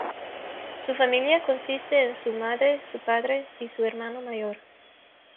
Su familia consiste en su madre, su padre y su hermano mayor.